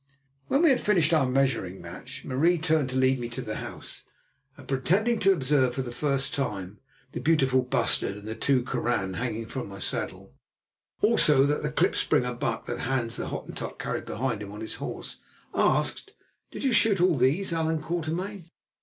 When we had finished our measuring match Marie turned to lead me to the house, and, pretending to observe for the first time the beautiful bustard and the two koran hanging from my saddle, also the klipspringer buck that Hans the Hottentot carried behind him on his horse, asked: "Did you shoot all these, Allan Quatermain?"